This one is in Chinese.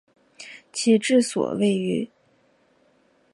其治所位于。